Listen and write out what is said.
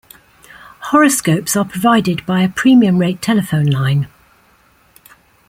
Horoscopes are provided by a premium rate telephone line.